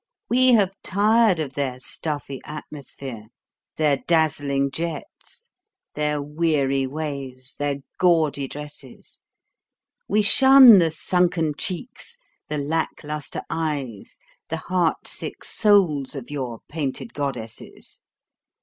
We have tired of their stuffy atmosphere, their dazzling jets, their weary ways, their gaudy dresses; we shun the sunken cheeks, the lack lustre eyes, the heart sick souls of your painted goddesses.